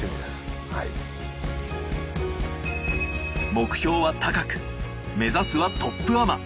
目標は高く目指すはトップアマ。